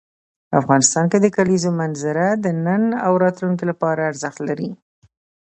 افغانستان کې د کلیزو منظره د نن او راتلونکي لپاره ارزښت لري.